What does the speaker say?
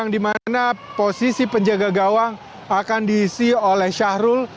di mana posisi penjaga gawang akan diisi oleh syahrul